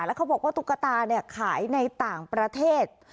แล้วเขาบอกว่าตุ๊กตาขายในต่างประเทศ